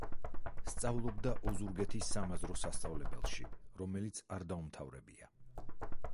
სწავლობდა ოზურგეთის სამაზრო სასწავლებელში, რომელიც არ დაუმთავრებია.